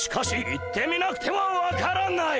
行ってみなくては分からない！